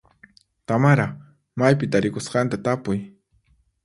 Tamara maypi tarikusqanta tapuy.